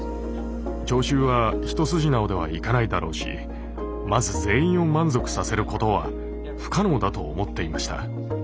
聴衆は一筋縄ではいかないだろうしまず全員を満足させることは不可能だと思っていました。